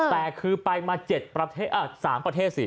แต่คือไปมาเจ็บประเทศอ่ะ๓ประเทศสิ